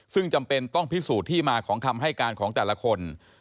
ซึ่งจำเป็นต้องพิสูจน์ที่มาของคำให้การของแต่ละคน